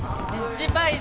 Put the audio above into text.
失敗！